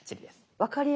分かりやすい。